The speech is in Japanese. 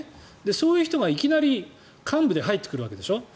そういう人がいきなり幹部で入ってくるわけでしょ。